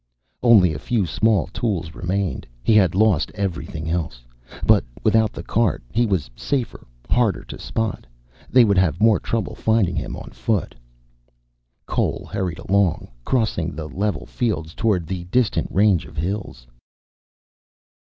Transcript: Only a few small tools remained. He had lost everything else. But without the cart he was safer, harder to spot. They would have more trouble finding him, on foot. Cole hurried along, crossing the level fields toward the distant range of hills.